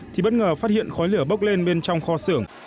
thì bất ngờ phát hiện khói lửa bốc lên bên trong kho xưởng